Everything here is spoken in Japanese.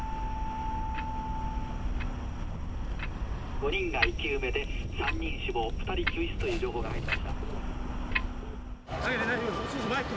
５人が生き埋めで３人死亡２人救出という情報が入りました。